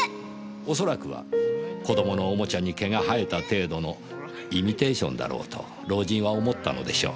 おそらくは子供のおもちゃに毛が生えた程度のイミテーションだろうと老人は思ったのでしょう。